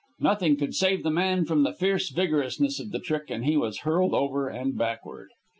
Nothing could save the man from the fierce vigorousness of the trick, and he was hurled over and backward.